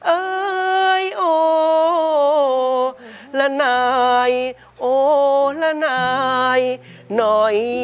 เอ้ยโอละนายโอละนายหน่อย